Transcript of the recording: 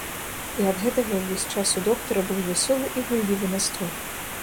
І ад гэтага ўвесь час у доктара быў вясёлы і гуллівы настрой.